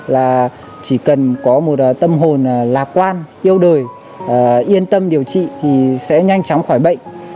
là chỉ cần có một tâm hồn lạc quan yêu đời yên tâm điều trị thì sẽ nhanh chóng khỏi bệnh